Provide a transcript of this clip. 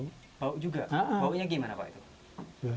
bau juga baunya gimana pak itu